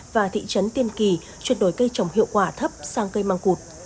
và thị trấn tiên kỳ chuyển đổi cây trồng hiệu quả thấp sang cây măng cụt